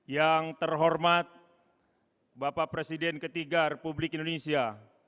yang terhormat bapak presiden ketiga republik indonesia